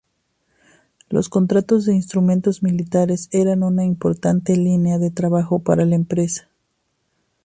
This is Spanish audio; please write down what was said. Los contratos de instrumentos militares eran una importante línea de trabajo para la empresa.